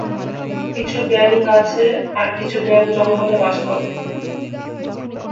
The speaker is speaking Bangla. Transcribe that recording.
কিছু ব্যাঙ গাছে আর কিছু ব্যাঙ জঙ্গলে বাস করে।